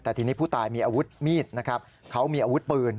เอาอาวุธมีดนะครับเขามีอาวุธปืน